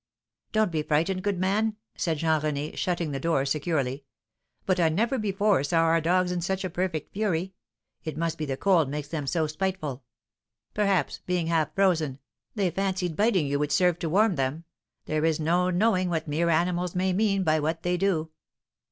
"Don't be frightened, good man," said Jean René, shutting the door securely; "but I never before saw our dogs in such a perfect fury it must be the cold makes them so spiteful; perhaps, being half frozen, they fancied biting you would serve to warm them there is no knowing what mere animals may mean by what they do."